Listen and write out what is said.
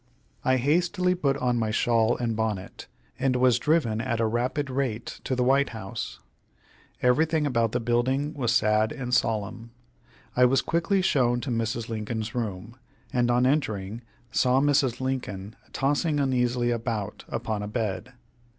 I hastily put on my shawl and bonnet, and was driven at a rapid rate to the White House. Everything about the building was sad and solemn. I was quickly shown to Mrs. Lincoln's room, and on entering, saw Mrs. L. tossing uneasily about upon a bed.